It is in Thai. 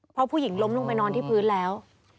เพราะผู้หญิงล้มลงไปนอนที่พื้นแล้ว